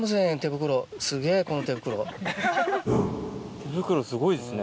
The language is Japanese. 手袋すごいですね